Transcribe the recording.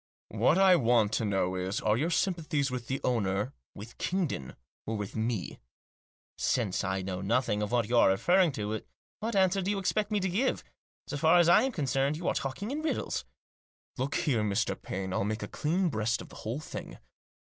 " What I want to know is, are your sympathies with the owner, with Kingdon, or with me?" " Since I know nothing of what you are referring to, what answer do you expect me to give ? So far as I am concerned, you are talking in riddles." " Look here, Mr. Paine, I'll make a clean breast of the whole thing.